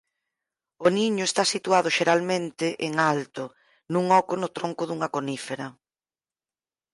O niño está situado xeralmente en alto nun oco no tronco dunha conífera.